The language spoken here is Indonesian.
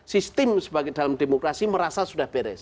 sistem sebagai dalam demokrasi merasa sudah beres